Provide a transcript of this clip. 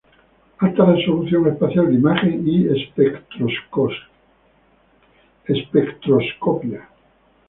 Alta Resolución espacial de imagen y espectroscopia.